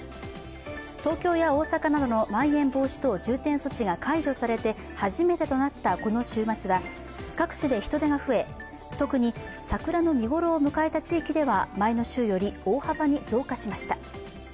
東京や大阪などのまん延防止等重点措置が解除されて初めてとなったこの週末は、各地で人出が増え、特に桜の見頃を迎えた地域では、前の週より大幅に増加しました。